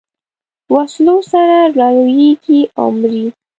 وسلو سره رالویېږي او مري.